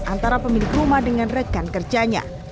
antara pemilik rumah dengan rekan kerjanya